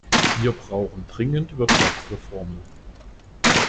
Wir brauchen dringend Wirtschaftsreformen.